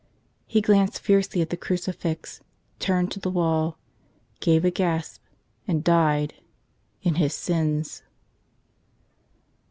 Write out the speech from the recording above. He glanced fierce¬ ly at the crucifix, turned to the wall, gave a gasp, and died — in his sins